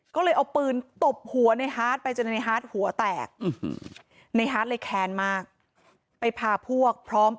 ก็เลยเอาปืนตบหัวในฮาร์ดไปจนในฮาร์ดหัวแตกในฮาร์ดเลยแค้นมากไปพาพวกพร้อม